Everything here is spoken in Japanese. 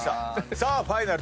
さあファイナル。